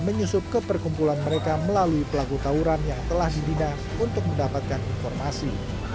menyusup ke perkumpulan mereka melalui pelaku tauran yang telah dibina untuk mendapatkan informasi